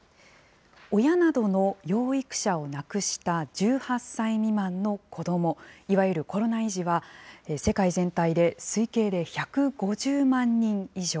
親などの養育者を亡くした１８歳未満の子ども、いわゆるコロナ遺児は、世界全体で推計で１５０万人以上。